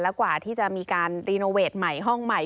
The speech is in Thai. กว่าที่จะมีการรีโนเวทใหม่ห้องใหม่